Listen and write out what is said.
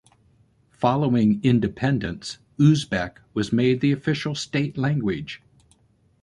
Following independence, Uzbek was made the official state language.